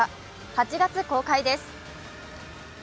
８月公開です。